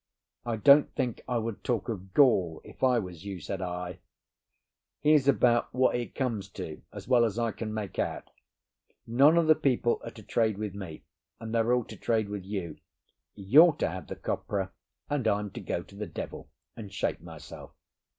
"I don't think I would talk of gall if I was you," said I. "Here's about what it comes to, as well as I can make out: None of the people are to trade with me, and they're all to trade with you. You're to have the copra, and I'm to go to the devil and shake myself.